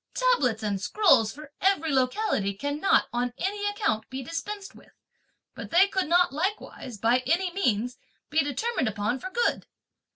Tablets and scrolls for every locality cannot, on any account, be dispensed with, but they could not likewise, by any means, be determined upon for good!